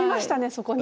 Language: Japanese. そこに。